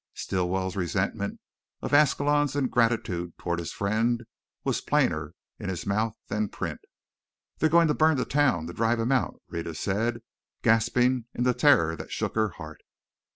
Stilwell's resentment of Ascalon's ingratitude toward his friend was plainer in his mouth than print. "They're going to burn the town to drive him out!" Rhetta said, gasping in the terror that shook her heart.